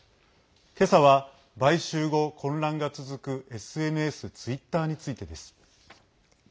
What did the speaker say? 今朝は買収後、混乱が続くＳＮＳツイッターについてです。